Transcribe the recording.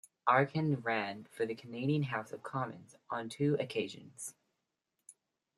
Arcand ran for the Canadian House of Commons on two occasions.